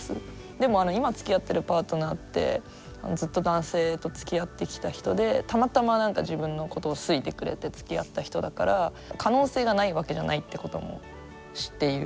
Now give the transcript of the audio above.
でも今つきあってるパートナーってずっと男性とつきあってきた人でたまたま自分のことを好いてくれてつきあった人だから可能性がないわけじゃないってことも知っている。